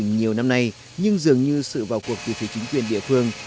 điện ra từ nhiều năm nay nhưng dường như sự vào cuộc từ phía chính quyền địa phương